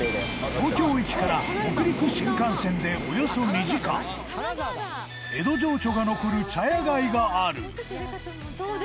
東京駅から北陸新幹線で、およそ２時間江戸情緒が残る茶屋街がある石原：